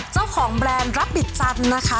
เจ้าของแบรนด์รับบิจันทร์นะคะ